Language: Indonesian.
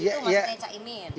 itu maksudnya cak imin